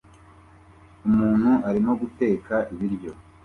Umuntu arimo guteka ibiryo